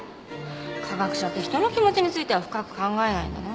科学者って人の気持ちについては深く考えないんだな。